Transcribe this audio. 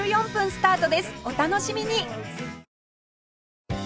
お楽しみに！